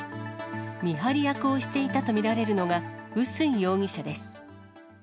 見張り役をしていたと見られるのが、碓氷容疑者です。